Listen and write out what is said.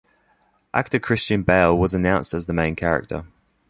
Actor Christian Bale was announced as the main character.